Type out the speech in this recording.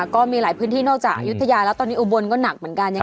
ก็มีหลายพื้นที่นอกจากอายุทยาแล้วตอนนี้อุบลก็หนักเหมือนกัน